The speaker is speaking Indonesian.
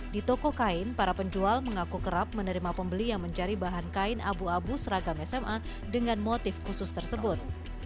di toko kain para penjual mengaku kerap menerima pembeli yang mencari bahan kain abu abu seragam sma dengan motif khusus tersebut